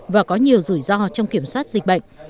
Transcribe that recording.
và có nhiều rủi ro trong kiểm soát dịch bệnh